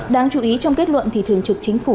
đáng chú ý trong kết luận thì thường trực chính phủ